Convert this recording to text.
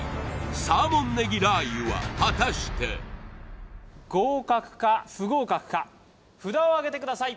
サーモンねぎラー油は果たして合格か不合格か札をあげてください